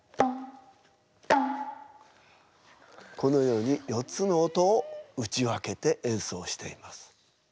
このように４つの音を打ち分けて演奏しています。